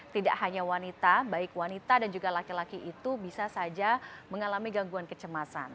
tidak hanya wanita baik wanita dan juga laki laki itu bisa saja mengalami gangguan kecemasan